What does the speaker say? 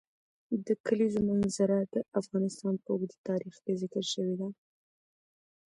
د کلیزو منظره د افغانستان په اوږده تاریخ کې ذکر شوی دی.